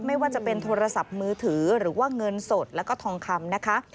ไม่ว่าจะเป็นโทรศัพท์มือถือหรือว่าเงินสดแล้วก็ทองคำนะคะ